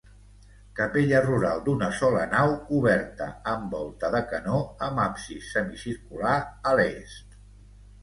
Capella rural d'una sola nau coberta amb volta de canó, amb absis semicircular a l'est.